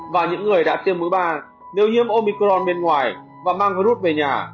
và những người đã tiêm mũi ba nếu nhiễm omicron bên ngoài và mang virus về nhà